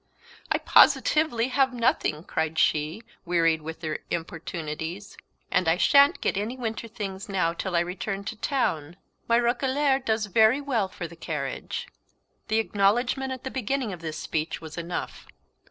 "I positively have nothing," cried she, wearied with their importunities, "and I shan't get any winter things now till I return to town. My roquelaire does very well for the carriage." The acknowledgment at the beginning of this speech was enough.